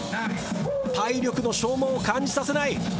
体力の消耗を感じさせない。